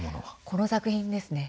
この作品ですね。